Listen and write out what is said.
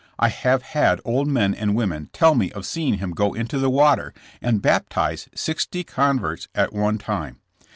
I have had old men and women tell me of seeing him go into the water and baptize sixty converts at one time.